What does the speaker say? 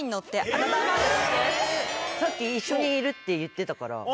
さっき一緒にいるって言ってたから。